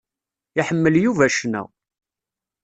Iḥemmel Yuba ccna.